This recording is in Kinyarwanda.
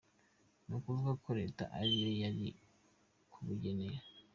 Ni ukuvuga ko Leta ari yo iri butugenere.